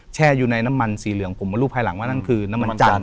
แช่อยู่ในน้ำมันสีเหลืองผมมารู้ภายหลังว่านั่นคือน้ำมันจันท